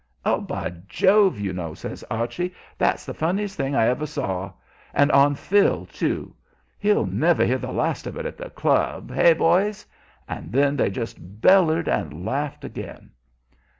"Oh, by Jove, you know!" says Archie, "that's the funniest thing I ever saw. And on Phil, too! He'll never hear the last of it at the club hey, boys?" And then they just bellered and laughed again.